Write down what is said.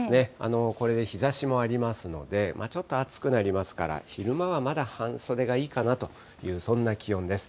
これで日ざしもありますので、ちょっと暑くなりますから、昼間はまだ半袖がいいかなという、そんな気温です。